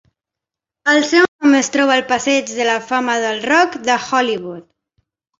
El seu nom es troba al Passeig de la fama del rock de Hollywood.